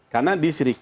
karena di sirik